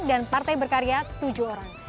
dan partai berkarya tujuh orang